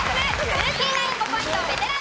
ルーキーナイン５ポイントベテラン